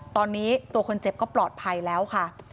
ตอนนี้ตัวคนเจ็บก็ปลอดภัยแล้วค่ะ